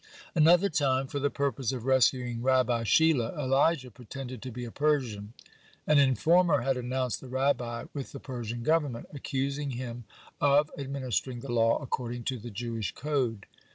(49) Another time, for the purpose of rescuing Rabbi Shila, Elijah pretended to be a Persian. An informer had announced the Rabbi with the Persian Government, accusing him of administering the law according to the Jewish code.